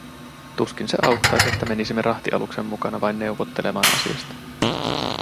Tuskin se auttaisi, että menisimme rahtialuksen mukana vain neuvottelemaan asiasta.